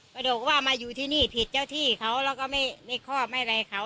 กระดูกว่ามาอยู่ที่นี่ผิดเจ้าที่เขาแล้วก็ไม่ครอบไม่อะไรเขา